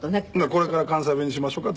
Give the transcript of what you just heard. これから関西弁にしましょか？